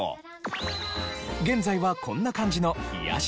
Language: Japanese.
現在はこんな感じの癒やし